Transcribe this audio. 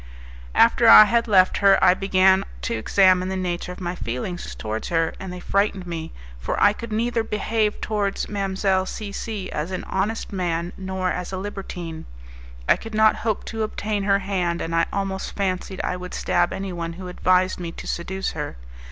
After I had left her I began to examine the nature of my feelings towards her, and they frightened me, for I could neither behave towards Mdlle. C C as an honest man nor as a libertine. I could not hope to obtain her hand, and I almost fancied I would stab anyone who advised me to seduce her.